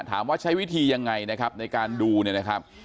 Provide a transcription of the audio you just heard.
ใช้วิธียังไงนะครับในการดูเนี่ยนะครับ